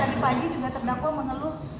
jadi tadi pagi juga terdakwa mengeluh